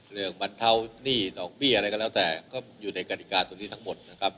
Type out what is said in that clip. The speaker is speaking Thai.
บรรเทาหนี้ดอกเบี้ยอะไรก็แล้วแต่ก็อยู่ในกฎิกาตัวนี้ทั้งหมดนะครับ